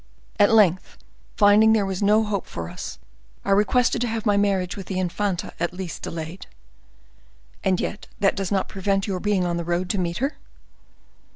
At length, finding there was no hope for us, I requested to have my marriage with the infanta at least delayed." "And yet that does not prevent your being on the road to meet her?"